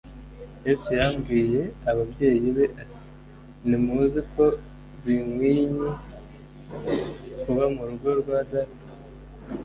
Yesu yabwiye ababyeyi be ati : "Ntimuzi ko binkwinye kuba mu rugo rwa Data?'».